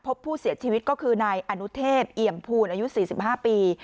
พบผู้เสียชีวิตก็คือนายอนุเทพเอี่ยมภูลอายุ๔๕ปี